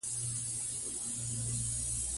په هغه ګړي یې جنس وو پیژندلی